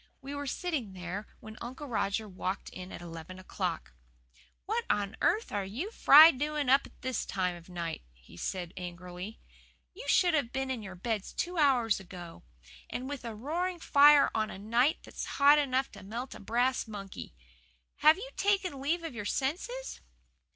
We were sitting there when Uncle Roger walked in at eleven o'clock. "What on earth are you young fry doing up at this time of night?" he asked angrily. "You should have been in your beds two hours ago. And with a roaring fire on a night that's hot enough to melt a brass monkey! Have you taken leave of your senses?"